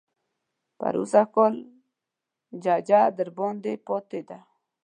د پروسږ کال ججه درباندې پاتې ده.